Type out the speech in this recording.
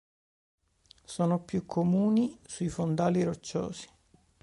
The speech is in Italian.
Sono più comuni sui fondali rocciosi.